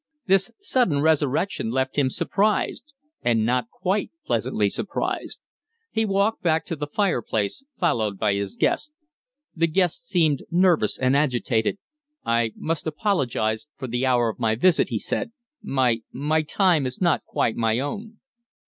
This sudden resurrection left him surprised and not quite pleasantly surprised. He walked back to the fireplace, followed by his guest. The guest seemed nervous and agitated. "I must apologize for the hour of my visit," he said. "My my time is not quite my own."